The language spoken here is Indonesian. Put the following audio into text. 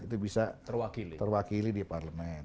itu bisa terwakili di parlemen